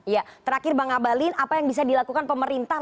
ya terakhir bang abalin apa yang bisa dilakukan pemerintah